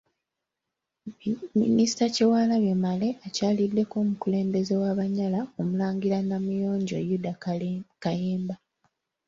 Minisita Kyewalabye Male akyaliddeko omukulembeze w’Abanyala Omulangira Namuyonjo Yuda Kayemba.